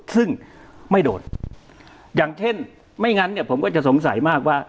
ซึ่งไม่โดนอย่างเช่นไม่งั้นเนี่ยผมก็จะสงสัยมากว่า